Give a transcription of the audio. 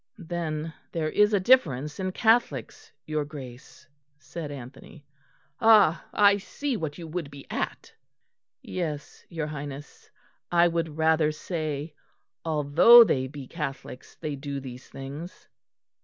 "Then there is a difference in Catholics, your Grace," said Anthony. "Ah! I see what you would be at." "Yes, your Highness; I would rather say, Although they be Catholics they do these things."